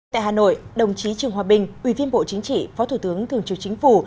tại hà nội đồng chí trường hòa bình ủy viên bộ chính trị phó thủ tướng thường trực chính phủ